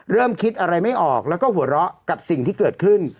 เริ่มคิดอะไรไม่ออกแล้วก็หัวเราะกับสิ่งที่เกิดขึ้น